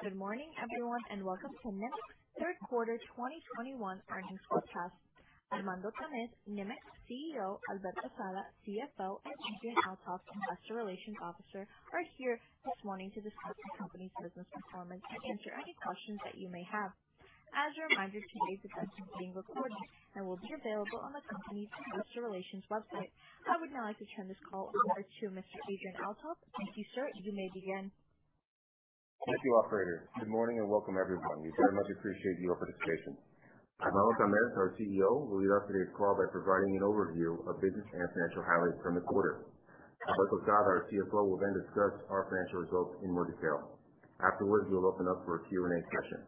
Good morning, everyone, and welcome to Nemak's Q3 2021 earnings webcast. Armando Tamez, Nemak CEO, Alberto Sada, CFO, and Adrian Althoff, Investor Relations Officer, are here this morning to discuss the company's business performance and answer any questions that you may have. As a reminder, today's discussion is being recorded and will be available on the company's investor relations website. I would now like to turn this call over to Mr. Adrian Althoff. Thank you, sir. You may begin. Thank you, operator. Good morning and welcome, everyone. We very much appreciate your participation. Armando Tamez, our CEO, will lead off today's call by providing an overview of business and financial highlights from the quarter. Alberto Sada, our CFO, will then discuss our financial results in more detail. Afterwards, we will open up for a Q&A session.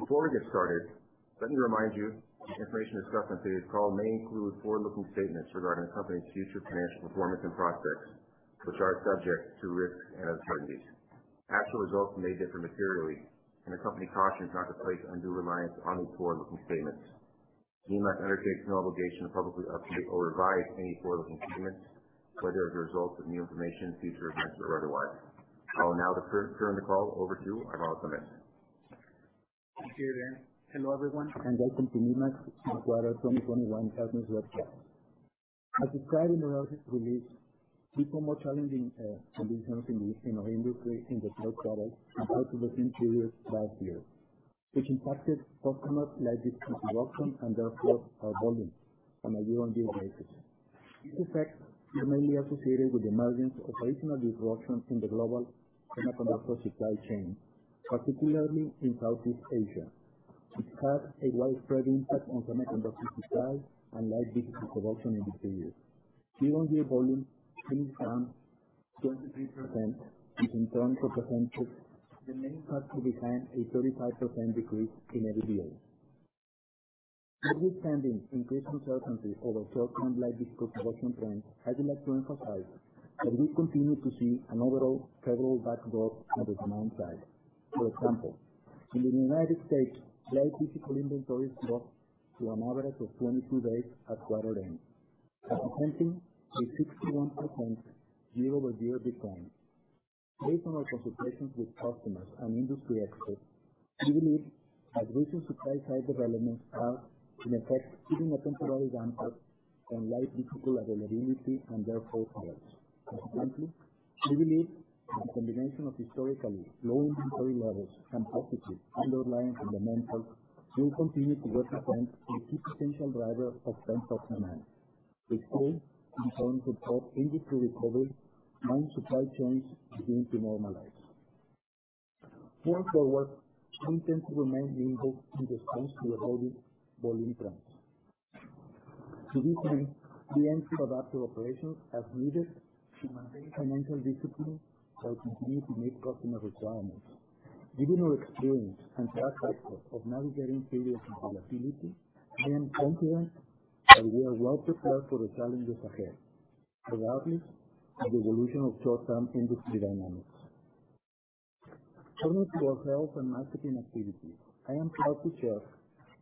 Before we get started, let me remind you that information discussed on today's call may include forward-looking statements regarding the company's future financial performance and prospects, which are subject to risks and uncertainties. Actual results may differ materially, and the company cautions not to place undue reliance on these forward-looking statements. Nemak undertakes no obligation to publicly update or revise any forward-looking statements, whether as a result of new information, future events or otherwise. I will now turn the call over to Armando Tamez. Thank you, Adrian. Hello, everyone, welcome to Nemak's Q3 2021 Earnings Webcast. As described in the release, we saw more challenging conditions in the auto industry in the Q3 compared to the same period last year, which impacted customer light vehicle production and therefore our volume on a year-on-year basis. This effect is mainly associated with the emergence of original disruption in the global semiconductor supply chain, particularly in Southeast Asia, which had a widespread impact on semiconductor supply and light vehicle production in the period. Year-on-year volume declined 23%, which in terms of percentages, the main factor behind a 35% decrease in revenue. Despite pending increased uncertainty over short-term light vehicle production trends, I would like to emphasize that we continue to see an overall favorable backdrop on the demand side. For example, in the United States, light vehicle inventories dropped to an average of 22 days at quarter end, representing a 61% year-over-year decline. Based on our consultations with customers and industry experts, we believe that recent supply-side developments are in effect, putting a temporary damper on light vehicle availability and therefore sales. For example, we believe that the combination of historically low inventory levels and positive underlying fundamentals will continue to represent a key potential driver of pent-up demand, which could in turn support industry recovery, once supply chains begin to normalize. Going forward, we intend to remain nimble in response to evolving volume trends. Specifically, we aim to adapt our operations as needed to maintain financial discipline while continuing to meet customer requirements. Given our experience and track record of navigating periods of volatility, I am confident that we are well prepared for the challenges ahead, regardless of the evolution of short-term industry dynamics. Turning to our sales and marketing activities, I am proud to share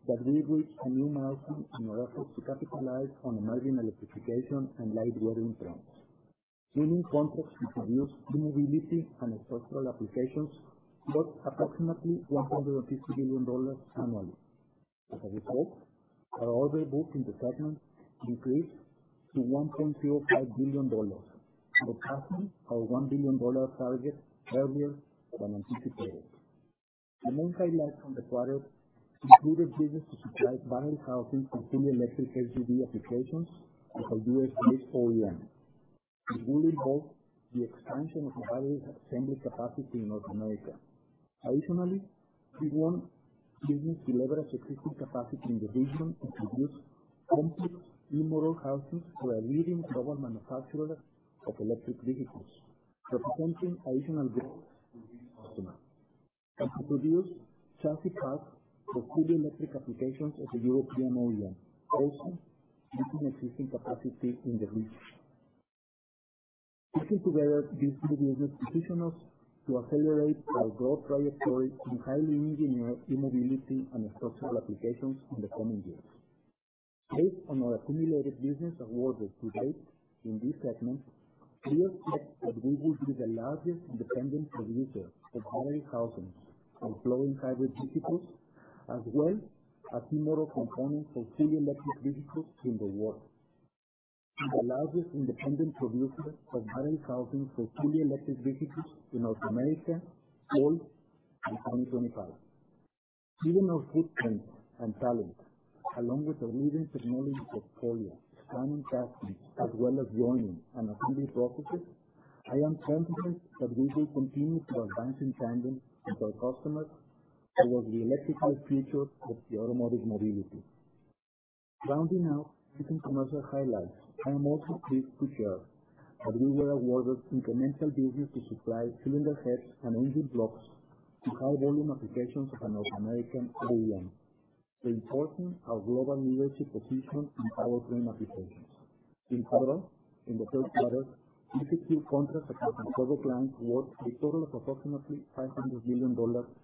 that we reached a new milestone in our efforts to capitalize on emerging electrification and lightweighting trends. Winning contracts to produce e-mobility and structural applications worth approximately $150 million annually. As a result, our order book in the segment increased to $1.25 billion, surpassing our $1 billion target earlier than anticipated. The main highlights from the quarter included business to supply battery housings for fully electric HEV applications of a US-based OEM, which will involve the expansion of the battery's assembly capacity in North America. Additionally, we won business to leverage existing capacity in the region to produce complex e-motor housings for a leading global manufacturer of electric vehicles, representing additional growth for this customer, and to produce chassis parts for fully electric applications of a European OEM, also using existing capacity in the region. Taken together, these new business position us to accelerate our growth trajectory in highly engineered e-mobility and structural applications in the coming years. Based on our accumulated business awarded to date in this segment, we expect that we will be the largest independent producer of battery housings for plug-in hybrid vehicles, as well as e-motor components for fully electric vehicles in the world, and the largest independent producer of battery housings for fully electric vehicles in North America, all by 2025. Given our footprint and talent, along with our leading technology portfolio, planning capacity, as well as joining and assembly processes, I am confident that we will continue to advance in tandem with our customers towards the electrified future of automotive mobility. Rounding out recent commercial highlights, I am also pleased to share that we were awarded incremental business to supply cylinder heads and engine blocks to high-volume applications of a North American OEM, reinforcing our global leadership position in powertrain applications. In total, in the Q3, we secured contracts across our product line worth a total of approximately $500 million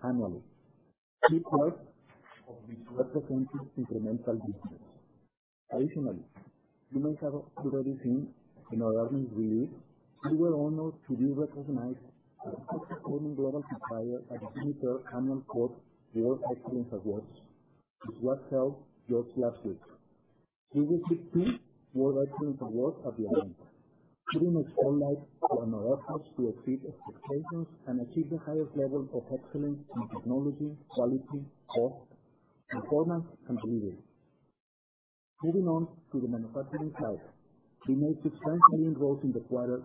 annually, key clients representing incremental business. Additionally, you may have already seen in our earnings release, we were honored to be recognized as a top performing global supplier at the J.D. Power annual Ford World Excellence Awards, which was held just last week. We received two World Excellence Awards at the event, putting a spotlight on our efforts to exceed expectations and achieve the highest level of excellence in technology, quality, cost, performance, and delivery. Moving on to the manufacturing side. We made substantial inroads in the quarter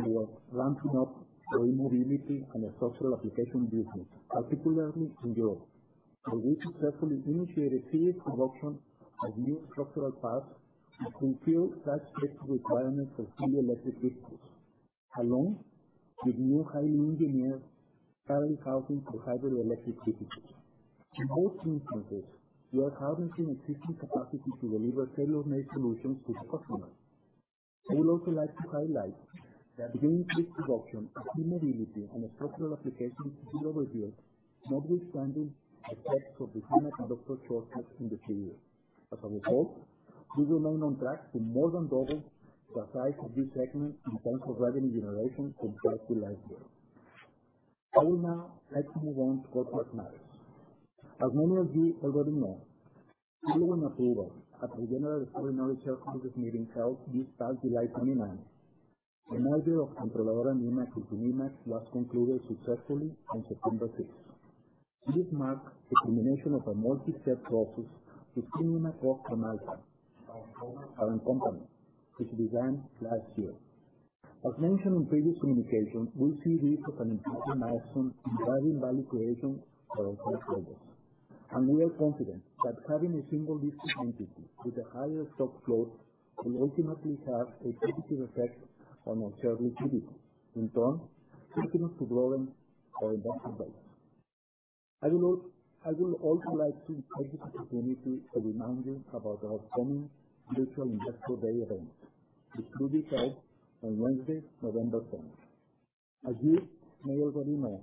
towards ramping up our e-mobility and structural application business, particularly in Europe, where we successfully initiated series production of new structural parts to fulfill tight safety requirements for fully electric vehicles, along with new highly engineered battery housing for hybrid electric vehicles. In both instances, we are harnessing existing capacity to deliver tailor-made solutions to customers. I would also like to highlight that we increased production of e-mobility and structural applications year-over-year, notwithstanding a stretch of semiconductor shortage in the period. As a result, we remain on track to more than double capacity this segment in terms of revenue generation compared to last year. I will now actually move on to what matters. As many of you already know, we were approved at the general extraordinary shareholders meeting held this past 29 July 2021. The merger of Controladora Nemak with Nemak was concluded successfully on 6 September 2021. This marks the culmination of a multi-step process between Nemak and Alfa, our former parent company, which began last year. As mentioned in previous communication, we see this as an important milestone in driving value creation for all stakeholders, and we are confident that having a single listed entity with a higher stock float will ultimately have a positive effect on our share liquidity, in turn, contributing to lowering our investment base. I will also like to take this opportunity to remind you about our upcoming virtual Investor Day event, which will be held on Wednesday, 4 November 2021. As you may already know,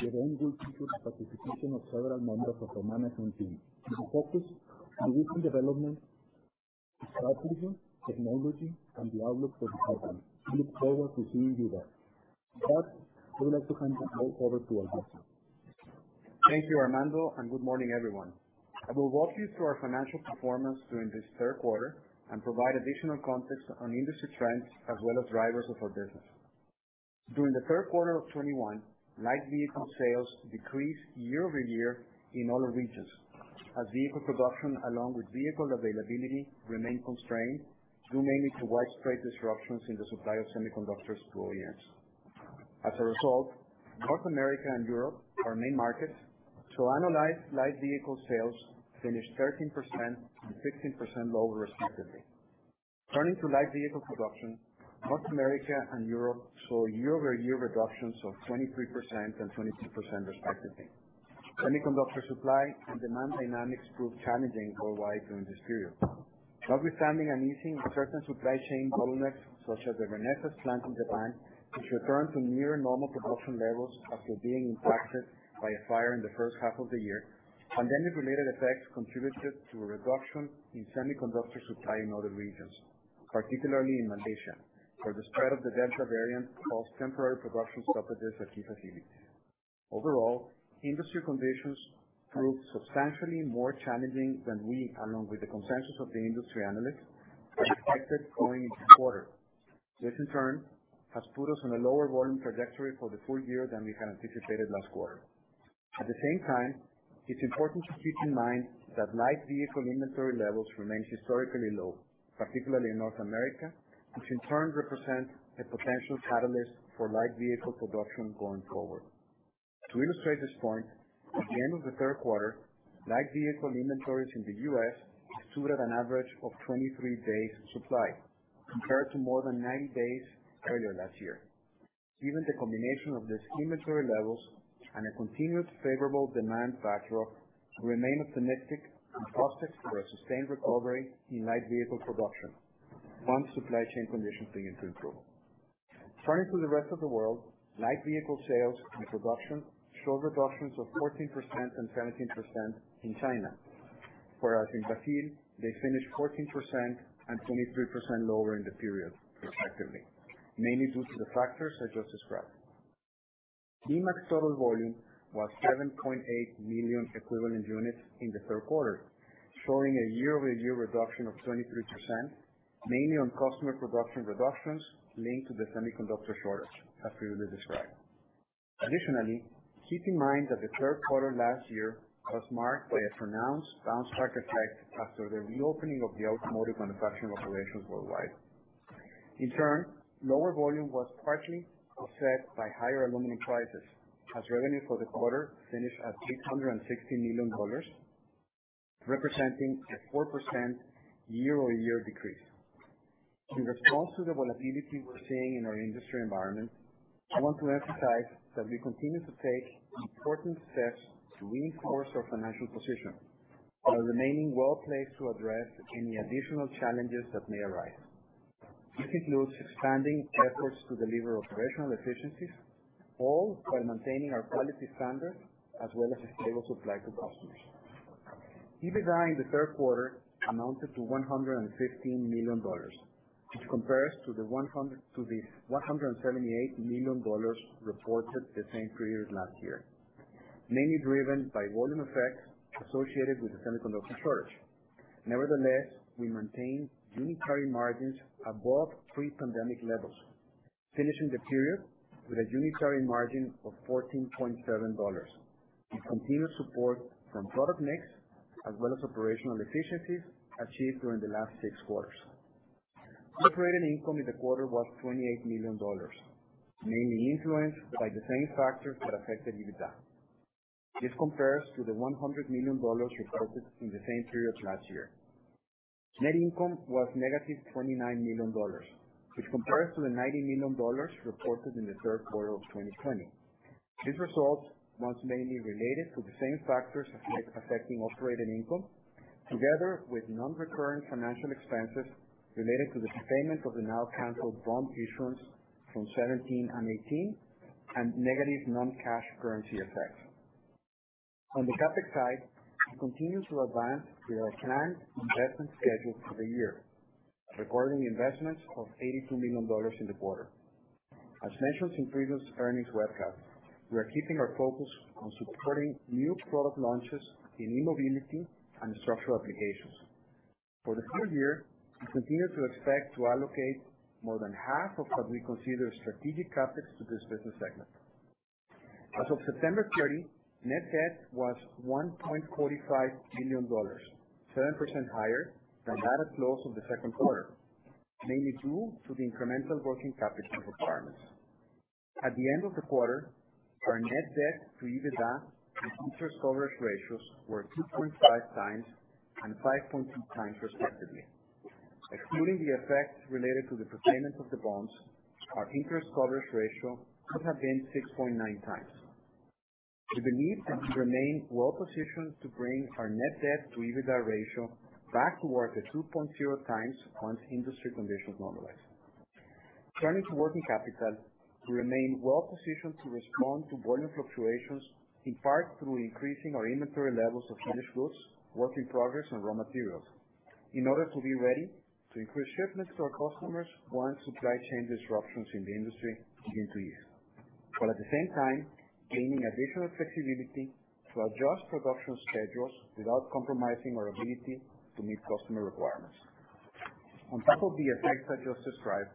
the event will feature the participation of several members of our management team, with a focus on recent developments, strategies, technology, and the outlook for the company. We look forward to seeing you there. With that, I would like to hand the call over to Alberto. Thank you, Armando, and good morning, everyone. I will walk you through our financial performance during this Q3 and provide additional context on industry trends as well as drivers of our business. During the Q3 of 2021, light vehicle sales decreased year-over-year in all regions, as vehicle production along with vehicle availability remained constrained due mainly to widespread disruptions in the supply of semiconductors to OEMs. As a result, North America and Europe, our main markets, saw annualized light vehicle sales finish 13% and 16% lower respectively. Turning to light vehicle production, North America and Europe saw year-over-year reductions of 23% and 22% respectively. Semiconductor supply and demand dynamics proved challenging worldwide during this period. Notwithstanding an easing in certain supply chain bottlenecks such as the Renesas plant in Japan, which returned to near normal production levels after being impacted by a fire in the first half of the year, pandemic-related effects contributed to a reduction in semiconductor supply in other regions, particularly in Malaysia, where the spread of the Delta variant caused temporary production stoppages at key facilities. Overall, industry conditions proved substantially more challenging than we, along with the consensus of the industry analysts, had expected going into this quarter. This, in turn, has put us on a lower volume trajectory for the full year than we had anticipated last quarter. At the same time, it's important to keep in mind that light vehicle inventory levels remain historically low, particularly in North America, which in turn represents a potential catalyst for light vehicle production going forward. To illustrate this point, at the end of the Q3, light vehicle inventories in the US stood at an average of 23 days supply, compared to more than 90 days earlier last year. Given the combination of these inventory levels and a continued favorable demand backdrop, we remain optimistic on prospects for a sustained recovery in light vehicle production once supply chain conditions begin to improve. Turning to the rest of the world, light vehicle sales and production show reductions of 14% and 17% in China. In Brazil, they finished 14% and 23% lower in the period respectively, mainly due to the factors I just described. Nemak's total volume was 7.8 million equivalent units in the Q3, showing a year-over-year reduction of 23%, mainly on customer production reductions linked to the semiconductor shortage, as previously described. Additionally, keep in mind that the Q3 last year was marked by a pronounced bounce-back effect after the reopening of the automotive manufacturing operations worldwide. In turn, lower volume was partially offset by higher aluminum prices, as revenue for the quarter finished at $860 million, representing a 4% year-over-year decrease. In response to the volatility we're seeing in our industry environment, I want to emphasize that we continue to take important steps to reinforce our financial position while remaining well-placed to address any additional challenges that may arise. This includes expanding efforts to deliver operational efficiencies, all while maintaining our quality standards as well as a stable supply to customers. EBITDA in the Q3 amounted to $115 million, which compares to the $178 million reported the same period last year, mainly driven by volume effects associated with the semiconductor shortage. Nevertheless, we maintained unitary margins above pre-pandemic levels, finishing the period with a unitary margin of $14.70, with continued support from product mix as well as operational efficiencies achieved during the last six quarters. Operating income in the quarter was $28 million, mainly influenced by the same factors that affected EBITDA. This compares to the $100 million reported in the same period last year. Net income was negative $29 million, which compares to the $90 million reported in the Q3 of 2020. This result was mainly related to the same factors affecting operating income, together with non-recurring financial expenses related to the prepayment of the now-canceled bond issuance from 2017 and 2018, and negative non-cash currency effects. On the CapEx side, we continue to advance with our planned investment schedule for the year, recording investments of $82 million in the quarter. As mentioned in previous earnings webcasts, we are keeping our focus on supporting new product launches in e-mobility and structural applications. For the full year, we continue to expect to allocate more than half of what we consider strategic CapEx to this business segment. As of 30 September 2021, net debt was $1.45 million, 7% higher than at close of the Q2, mainly due to the incremental working capital requirements. At the end of the quarter, our net debt to EBITDA and interest coverage ratios were 2.5x and 5.2x respectively. Excluding the effects related to the prepayment of the bonds, our interest coverage ratio would have been 6.9x. We believe we remain well-positioned to bring our net debt to EBITDA ratio back toward the 2.0x, once industry conditions normalize. Turning to working capital, we remain well-positioned to respond to volume fluctuations, in part through increasing our inventory levels of finished goods, work in progress, and raw materials in order to be ready to increase shipments to our customers once supply chain disruptions in the industry begin to ease, while at the same time gaining additional flexibility to adjust production schedules without compromising our ability to meet customer requirements. On top of the effects I just described,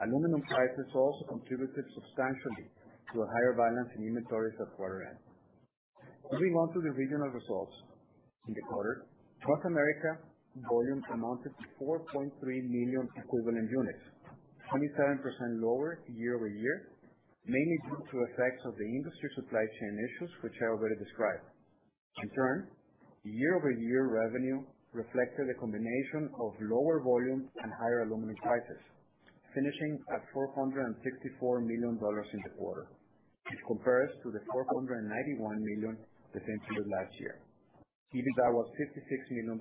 aluminum prices also contributed substantially to a higher balance in inventories at quarter end. Moving on to the regional results in the quarter, North America volume amounted to 4.3 million equivalent units, 27% lower year-over-year, mainly due to effects of the industry supply chain issues, which I already described. In turn, year-over-year revenue reflected a combination of lower volume and higher aluminum prices, finishing at $464 million in the quarter, which compares to the $491 million the same period last year. EBITDA was $56 million,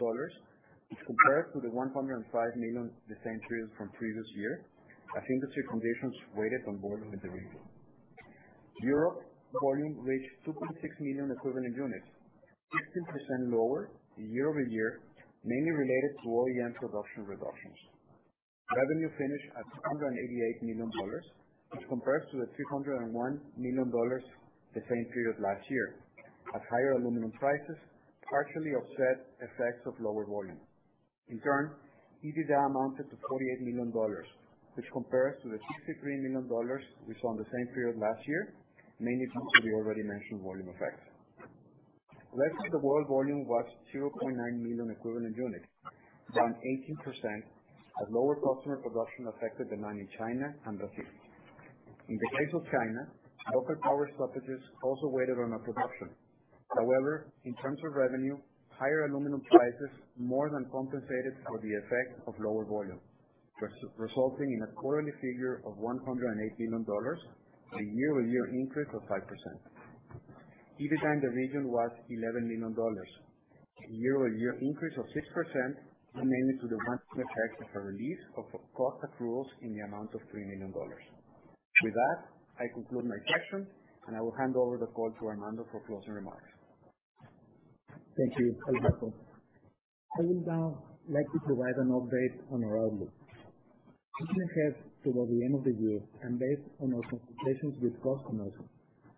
which compares to the $105 million the same period from previous year, as industry conditions weighted on volume in the region. Europe volume reached 2.6 million equivalent units, 15% lower year-over-year, mainly related to OEM production reductions. Revenue finished at $288 million, which compares to the $301 million the same period last year, as higher aluminum prices partially offset effects of lower volume. In turn, EBITDA amounted to $48 million, which compares to the $63 million we saw in the same period last year, mainly due to the already mentioned volume effects. Rest of the world volume was 2.9 million equivalent units, down 18%, as lower customer production affected our production in China and Brazil. In the case of China, local power shortages also weighed on our production. In terms of revenue, higher aluminum prices more than compensated for the effect of lower volume, resulting in a quarterly figure of $108 million, a year-over-year increase of 5%. EBITDA in the region was $11 million. A year-over-year increase of 6%, mainly due to the one-time effect of a release of cost accruals in the amount of $3 million. With that, I conclude my section, and I will hand over the call to Armando for closing remarks. Thank you, Alberto. I would now like to provide an update on our outlook. Looking ahead toward the end of the year and based on our consultations with customers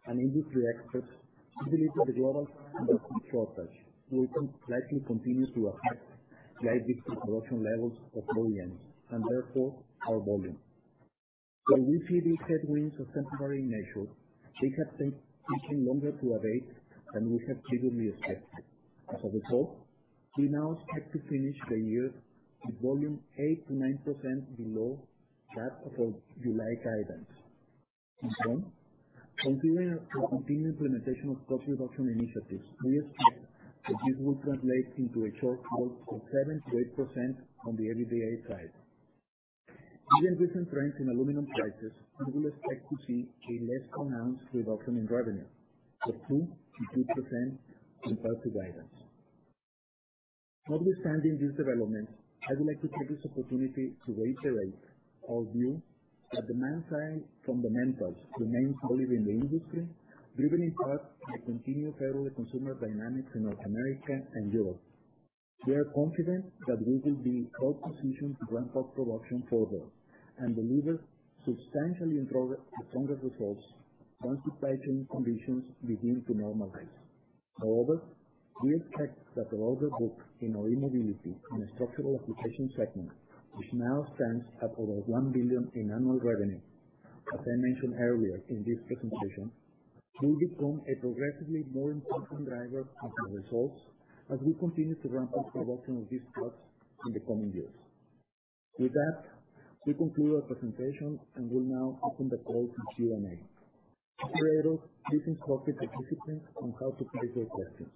and industry experts, we believe that the global semiconductor shortage will likely continue to affect legacy production levels of OEMs and therefore our volume. While we see these headwinds as temporary in nature, they have taken longer to abate than we had previously expected. As a result, we now expect to finish the year with volume 8% to 9% below that of our July guidance. In turn, considering our continued implementation of cost reduction initiatives, we expect that this will translate into a shortfall of 7% to 8% on the EBITDA side. Given recent trends in aluminum prices, we will expect to see a less pronounced reduction in revenue of 2% to 3% compared to guidance. Notwithstanding these developments, I would like to take this opportunity to reiterate our view that demand trend from the OEMs remains solid in the industry, driven in part by continued favorable consumer dynamics in North America and Europe. We are confident that we will be well-positioned to ramp up production further and deliver substantially stronger results once supply chain conditions begin to normalize. However, we expect that the order book in our e-mobility and structural application segment, which now stands at over $1 billion in annual revenue, as I mentioned earlier in this presentation, will become a progressively more important driver of our results as we continue to ramp up production of these products in the coming years. With that, we conclude our presentation and will now open the call to Q&A. Operator, please instruct the participants on how to place their questions.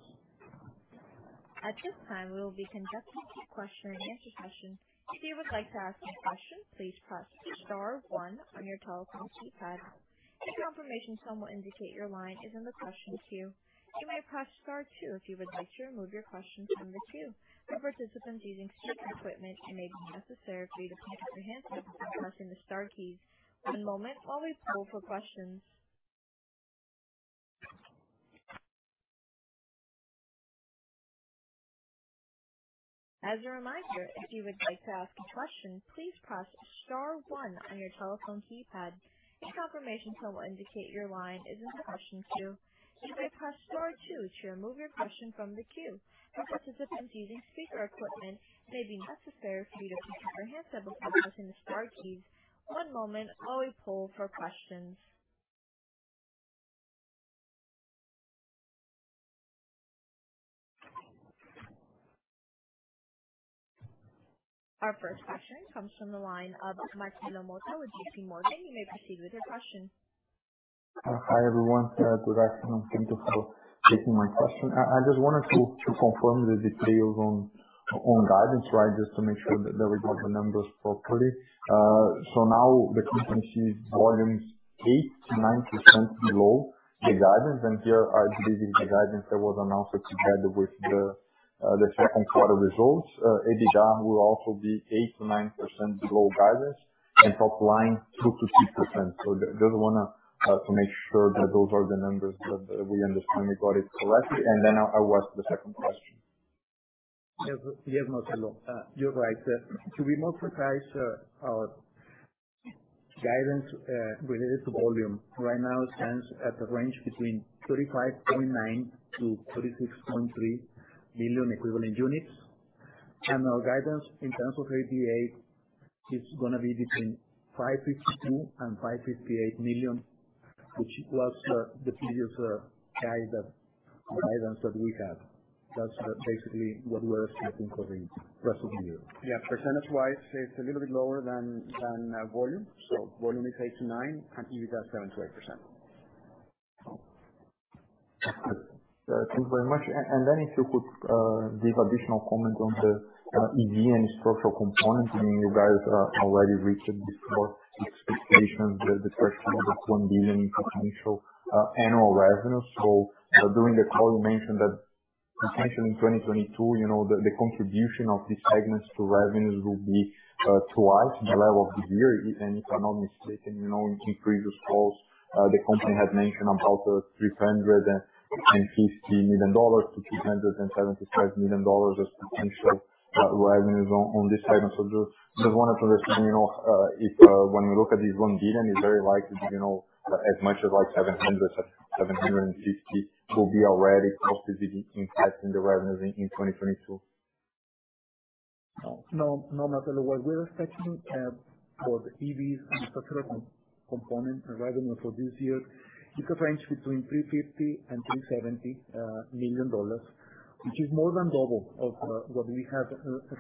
At this time, we will be conducting a question-and-answer session. If you would like to ask a question, please press star one on your telephone keypad. A confirmation tone will indicate your line is in the question queue. You may press star two if you would like to remove your question from the queue. For participants using speaker equipment, it may be necessary for you to press your handset before pressing the star keys. One moment while we poll for questions. As a reminder, if you would like to ask a question, please press star one on your telephone keypad. A confirmation tone will indicate your line is in the question queue. You may press star two to remove your question from the queue. For participants using speaker equipment, it may be necessary for you to press your handset before pressing the star keys. One moment while we poll for questions. Our first question comes from the line of Marcelo Mota with JPMorgan. You may proceed with your question. Hi, everyone. Good afternoon. Thank you for taking my question. I just wanted to confirm the details on guidance. Just to make sure that we got the numbers properly. Now the company sees volumes 8% to 9% below the guidance, and here I believe is the guidance that was announced together with the Q2 results. EBITDA will also be 8% to 9% below guidance and top line 2% to 3%. Just want to make sure that those are the numbers, that we understand you got it correctly. I'll ask the second question. Yes, Marcelo. You're right. To be more precise, our guidance related to volume right now stands at a range between 35.9 million to 36.3 million equivalent units. Our guidance in terms of EBITDA is going to be between $552 million and $558 million, which was the previous guidance that we had. That's basically what we are expecting for the rest of the year. Yeah. Percentage-wise, it's a little bit lower than volume. Volume is 8% to 9% and EBITDA 7% to 8%. Thanks very much. If you could give additional comment on the EV and structural component, meaning you guys already reached before expectations the question of the $1 billion in potential annual revenue. During the call, you mentioned that potentially in 2022, the contribution of this segment to revenues will be twice the level of this year. If I'm not mistaken, in previous calls, the company had mentioned about $350 to 375 million as potential revenues on this segment. Just wanted to understand if when we look at this $1 billion, it's very likely that as much as $700 to 750 million will be already positively impacting the revenues in 2022. No, Marcelo. What we're expecting for the EVs and structural components revenue for this year is a range between $350 and 370 million, which is more than double of what we had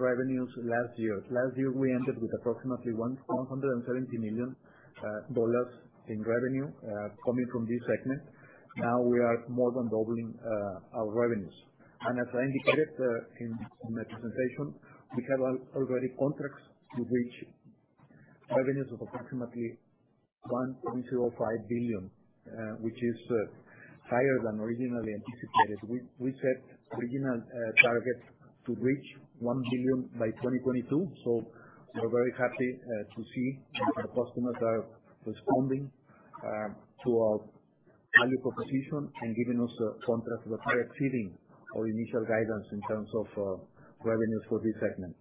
revenues last year. Last year, we ended with approximately $170 million in revenue coming from this segment. We are more than doubling our revenues. As I indicated in my presentation, we have already contracts to reach revenues of approximately $1.05 billion, which is higher than originally anticipated. We set original target to reach $1 billion by 2022. We are very happy to see that our customers are responding to our value proposition and giving us contracts that are exceeding our initial guidance in terms of revenues for this segment.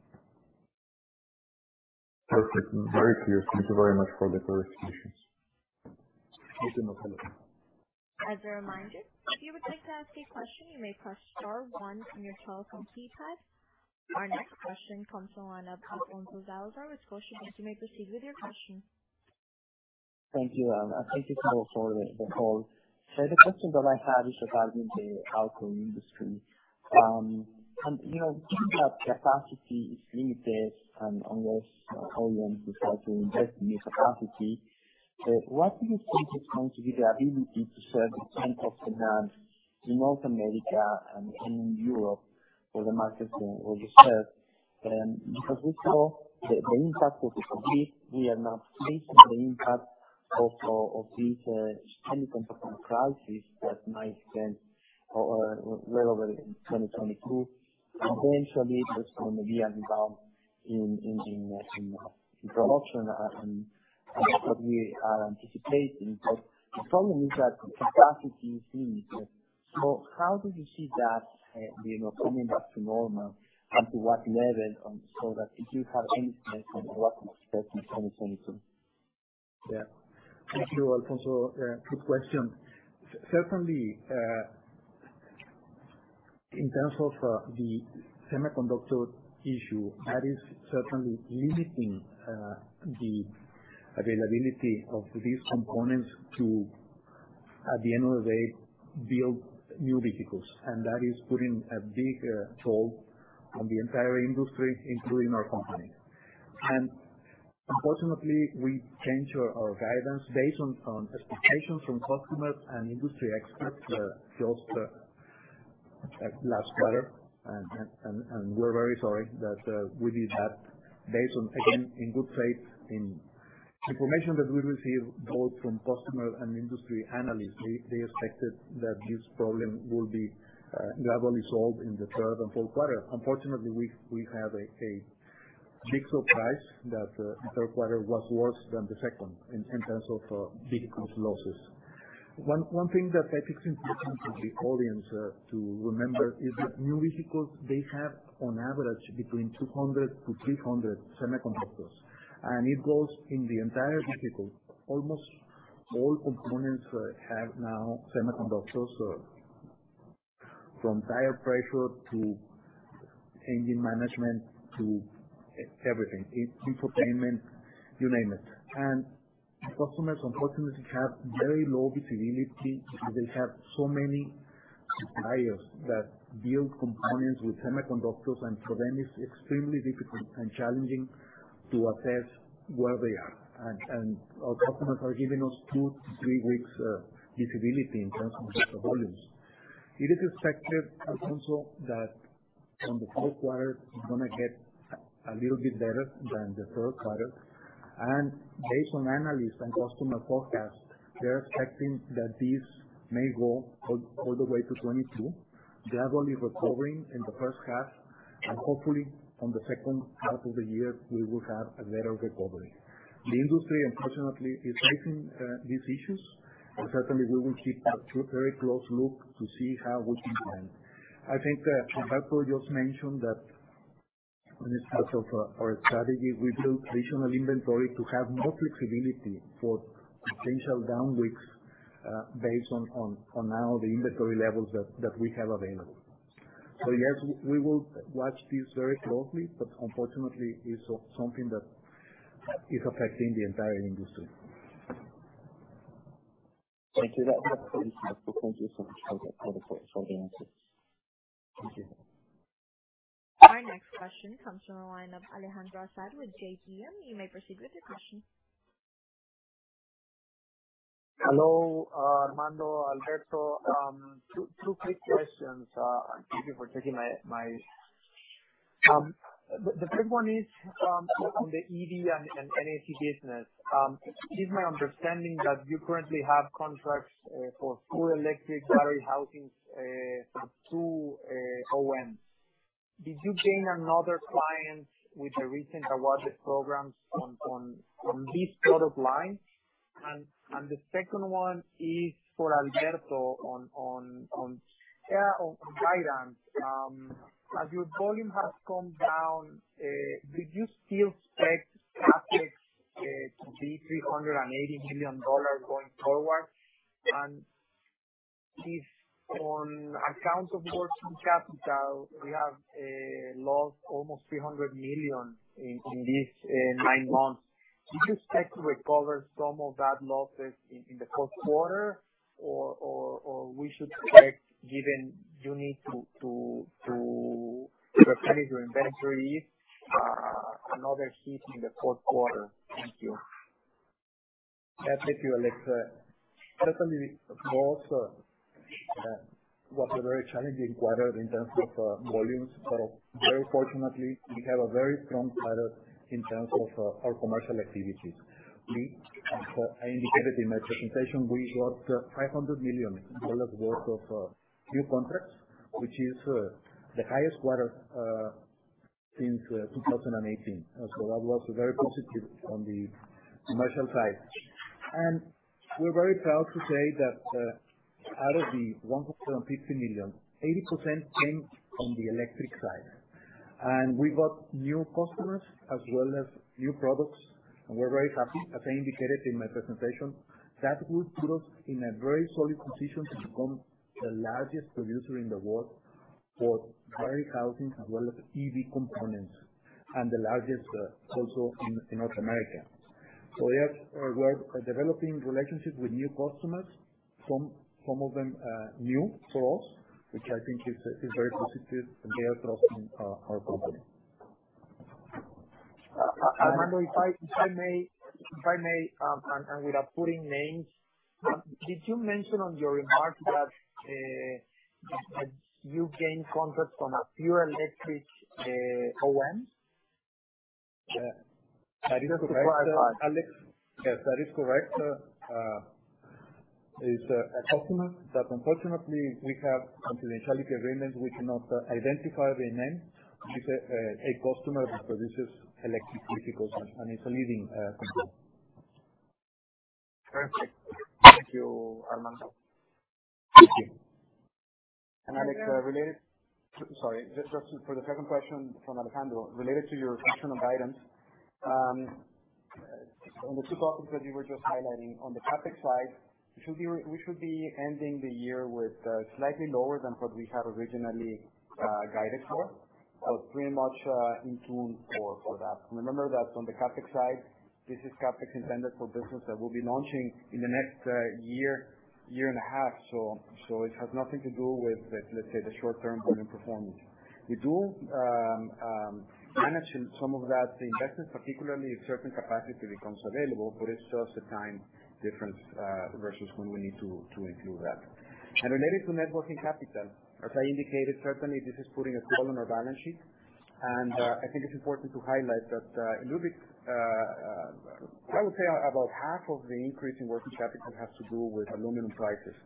Perfect. Very clear. Thank you very much for the clarifications. Thank you, Marcelo. As a reminder, if you would like to ask a question, you may press star one on your telephone keypad. Our next question comes from the line of Alfonso Salazar with Scotiabank. You may proceed with your question. Thank you. Thank you for the call. The question that I had is about the auto industry. Given that capacity is limited, and unless Howden decides to invest in new capacity, what do you think is going to be the ability to serve the pent-up demand in North America and in Europe for the markets that you serve? First of all, the impact of the COVID, we are now facing the impact of these semiconductor crisis that might end or was led over in 2022. Eventually, it's going to be a rebound in the production and that's what we are anticipating. The problem is that capacity is limited. How do you see that, coming back to normal and to what level? That if you have any sense on what to expect in 2022? Thank you, Alfonso. Good question. Certainly, in terms of the semiconductor issue, that is certainly limiting the availability of these components to, at the end of the day, build new vehicles. That is putting a big toll on the entire industry, including our company. Unfortunately, we changed our guidance based on expectations from customers and industry experts just last quarter. We're very sorry that we did that based on, again, in good faith in information that we received both from customer and industry analysts. They expected that this problem will be globally solved in the third and Q4. Unfortunately, we have a big surprise that the Q3 was worse than the second in terms of vehicles losses. One thing that I think is important for the audience to remember is that new vehicles, they have on average between 200 to 300 semiconductors. It goes in the entire vehicle. Almost all components have now semiconductors, from tire pressure to engine management to everything, infotainment, you name it. Customers, unfortunately, have very low visibility because they have so many suppliers that build components with semiconductors, and for them, it's extremely difficult and challenging to assess where they are. Our customers are giving us two to three weeks visibility in terms of the volumes. It is expected, Alfonso, that from the Q4, it's going to get a little bit better than the Q3. Based on analysts and customer forecasts, they're expecting that this may go all the way to 2022, gradually recovering in the first half, and hopefully from the second half of the year, we will have a better recovery. The industry, unfortunately, is facing these issues, but certainly we will keep a very close look to see how we can help. I think Alberto just mentioned that when he spoke of our strategy, we build additional inventory to have more flexibility for potential down weeks based on now the inventory levels that we have available. Yes, we will watch this very closely, but unfortunately, it's something that is affecting the entire industry. Thank you. That was pretty much it. Thank you so much for the answers. Thank you. Our next question comes from the line of Alejandro Azar with GBM. You may proceed with your question. Hello, Armando, Alberto. Two quick questions. Thank you for taking my The first one is on the EV and NAC business. It's my understanding that you currently have contracts for full electric battery housings from two OEMs. Did you gain another client with the recent awarded programs on this product line? The second one is for Alberto on guidance. As your volume has come down, do you still expect CapEx to be MXN 380 million going forward? If on account of working capital, we have lost almost 300 million in these nine months, do you expect to recover some of that losses in the Q4? We should expect, given you need to replenish your inventory, another hit in the Q4? Thank you. Thank you, Alex. Certainly, Q4 was a very challenging quarter in terms of volumes, but very fortunately, we have a very strong quarter in terms of our commercial activities. I indicated in my presentation, we got $500 million worth of new contracts, which is the highest quarter since 2018. That was very positive on the commercial side. We're very proud to say that out of the $150 million, 80% came from the electric side. We got new customers as well as new products, and we're very happy. As I indicated in my presentation, that will put us in a very solid position to become the largest producer in the world for battery housing as well as EV components, and the largest also in North America. We're developing relationships with new customers, some of them new for us, which I think is very positive and they are trusting our company. Armando, if I may, and without putting names, did you mention on your remarks that you gained contracts from a few electric OEMs? That is correct, Alex. Yes, that is correct. It's a customer that unfortunately, we have confidentiality agreement, we cannot identify their name. It's a customer that produces electric vehicles, and it's a leading company. Perfect. Thank you, Armando. Thank you. Alej, just for the second question from Alejandro. Related to your question on items, on the two topics that you were just highlighting on the CapEx side, we should be ending the year with slightly lower than what we had originally guided for. Pretty much in tune for that. Remember that on the CapEx side, this is CapEx intended for business that will be launching in the next year and a half. It has nothing to do with, let's say, the short-term volume performance. We do manage some of that, the investments, particularly if certain capacity becomes available, but it's just a time difference, versus when we need to include that. Related to net working capital, as I indicated, certainly this is putting a toll on our balance sheet. I think it's important to highlight that a little bit. I would say about half of the increase in working capital has to do with aluminum prices,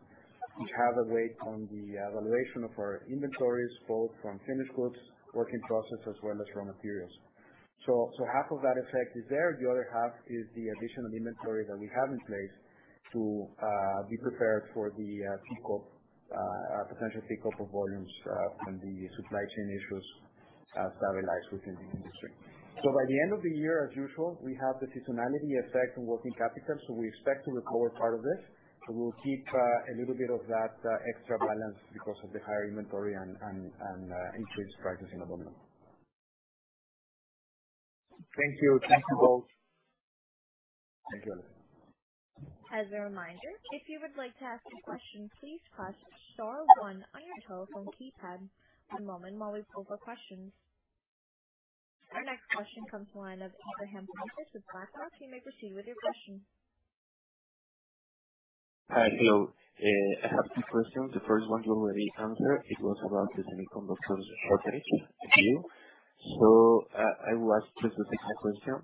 which has a weight on the valuation of our inventories, both from finished goods, work in process, as well as raw materials. Half of that effect is there. The other half is the additional inventory that we have in place to be prepared for the potential pickup of volumes when the supply chain issues stabilize within the industry. By the end of the year, as usual, we have the seasonality effect on working capital. We expect to recover part of this. We will keep a little bit of that extra balance because of the higher inventory and increased prices in aluminum. Thank you. Thank you both. Thank you, Alex. As a reminder, if you would like to ask a question, please press star one on your telephone keypad. One moment while we pull for questions. Our next question comes from the line of Abraham Sanchez with BlackRock. You may proceed with your question. Hi. Hello. I have two questions. The first one you already answered, it was about the semiconductors shortage view. I will ask just the second question.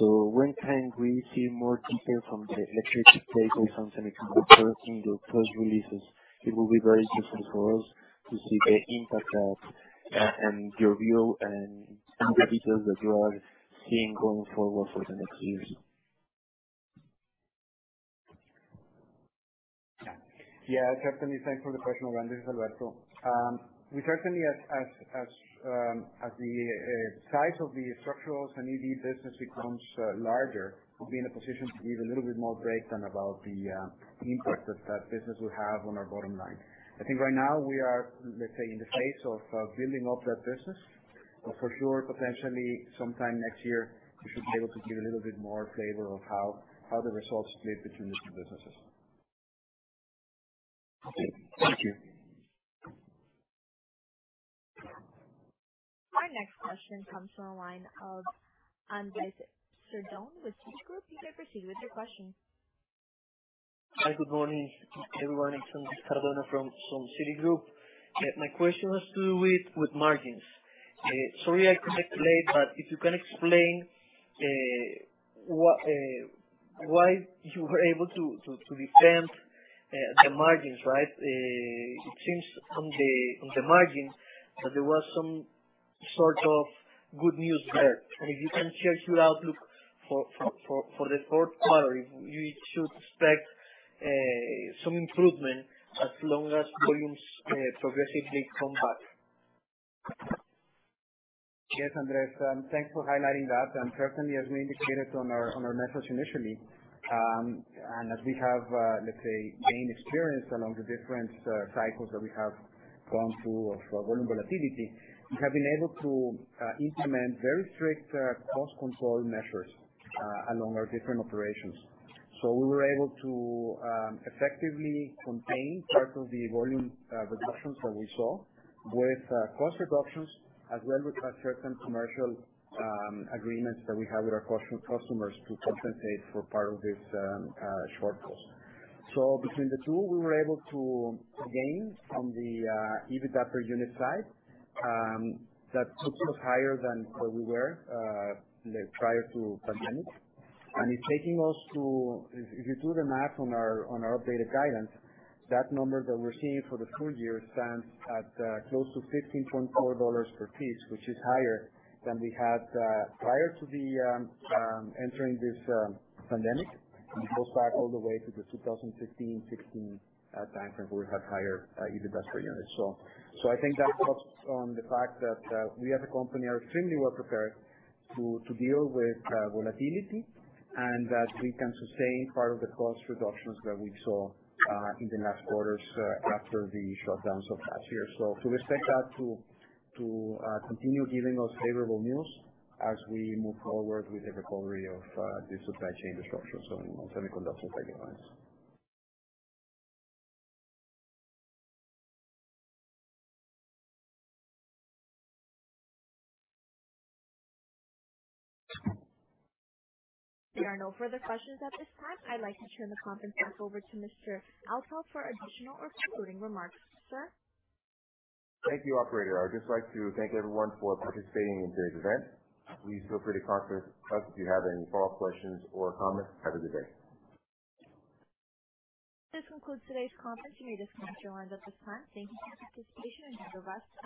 When can we see more detail from the electric vehicle, from semiconductors in your post releases? It will be very useful for us to see the impact that, and your view and the details that you are seeing going forward for the next years. Yeah. Certainly. Thanks for the question. This is Alberto. We certainly, as the size of the structural semi EV business becomes larger, we'll be in a position to give a little bit more breakdown about the impact that business will have on our bottom line. I think right now we are, let's say, in the phase of building up that business. For sure, potentially sometime next year, we should be able to give a little bit more flavor of how the results split between the two businesses. Okay. Thank you. Our next question comes from the line of Andrés Cardona with Citigroup. You may proceed with your question. Hi, good morning, everyone. It's Andrés Cardona from Citigroup. My question has to do with margins. Sorry I connect late. If you can explain why you were able to defend the margins, right? If you can share your outlook for the Q4, we should expect some improvement as long as volumes progressively come back. Andrés, thanks for highlighting that. Certainly, as we indicated on our message initially, and as we have, let's say, gained experience along the different cycles that we have gone through of volume volatility. We have been able to implement very strict cost control measures along our different operations. We were able to effectively contain part of the volume reductions that we saw with cost reductions, as well with certain commercial agreements that we have with our customers to compensate for part of this short cost. Between the two, we were able to gain from the EBITDA per unit side, that puts us higher than where we were prior to pandemic. It's taking us to, if you do the math on our updated guidance, that number that we're seeing for the full year stands at close to $15.4 per piece, which is higher than we had prior to entering this pandemic. It goes back all the way to the 2015, 2016 time frame, where we had higher EBITDA per unit. I think that talks on the fact that we as a company are extremely well prepared to deal with volatility, and that we can sustain part of the cost reductions that we saw in the last quarters after the shutdowns of last year. We expect that to continue giving us favorable news as we move forward with the recovery of the supply chain disruptions on semiconductors and other lines. There are no further questions at this time. I'd like to turn the conference back over to Mr. Althoff for additional or concluding remarks. Sir? Thank you, operator. I would just like to thank everyone for participating in today's event. Please feel free to contact us if you have any follow-up questions or comments. Have a good day. This concludes today's conference. You may disconnect your lines at this time. Thank you for your participation, and have a rest.